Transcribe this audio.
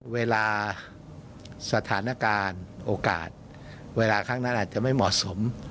เวลาสถานการณ์โอกาสเวลาครั้งนั้นอาจจะไม่เหมาะสม